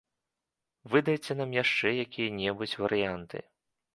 Выдайце нам яшчэ якія-небудзь варыянты!